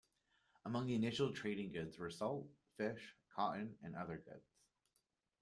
Among the initial trading goods were salt, fish, cotton and other goods.